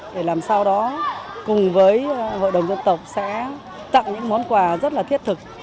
để làm sao đó cùng với hội đồng dân tộc sẽ tặng những món quà rất là thiết thực